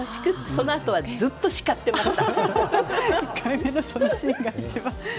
そのあとはずっと叱っていました。